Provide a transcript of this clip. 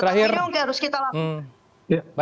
tetapi ini harus kita lakukan